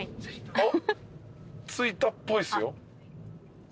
あっ着いたっぽいっすよ。